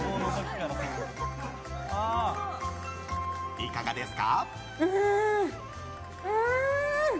いかがですか？